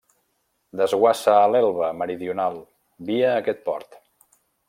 Desguassa a l'Elba meridional via aquest port.